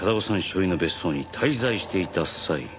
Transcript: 所有の別荘に滞在していた際